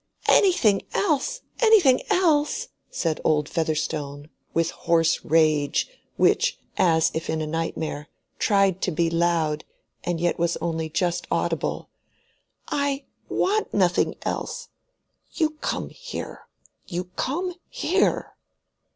"Anything else—anything else!" said old Featherstone, with hoarse rage, which, as if in a nightmare, tried to be loud, and yet was only just audible. "I want nothing else. You come here—you come here."